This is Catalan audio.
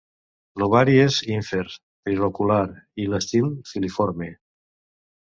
L'ovari és ínfer, trilocular i l'estil filiforme.